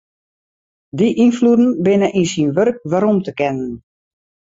Dy ynfloeden binne yn syn wurk werom te kennen.